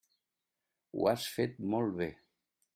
Ho has fet molt bé.